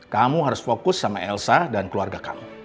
kamu harus fokus sama elsa dan keluarga kami